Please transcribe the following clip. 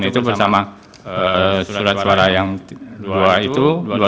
yang kita serahkan seluruh kotak suara yang telah kita lakukan